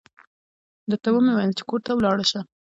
درته و مې ويل چې کور ته ولاړه شه.